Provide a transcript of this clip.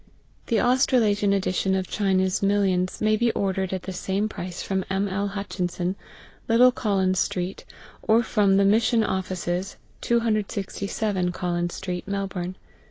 The Australasian edition of China's Millions may be ordered at the same price from M. L. Hutchinson, Little Collins Street, or from the Mission Offices, 267 Collins Street, Melbourne.